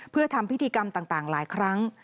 เพื่อทำพิธีกรรมต่างหลายครั้ง